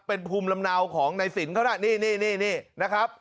เป็นภูมิลำเนาของในศิลป์เข้าหน้านี่นะครับ